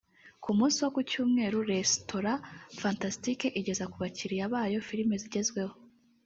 Ku munsi wo ku cyumweru resitora Fantastic igeza ku bakiriya bayo filimi zigezweho